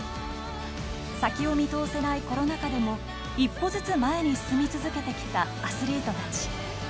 先を見通せないコロナ禍でも一歩ずつ前に進み続けてきたアスリートたち。